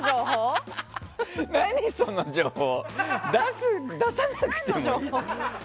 何その情報。